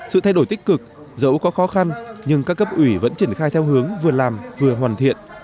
sự thay đổi tích cực dẫu có khó khăn nhưng các cấp ủy vẫn triển khai theo hướng vừa làm vừa hoàn thiện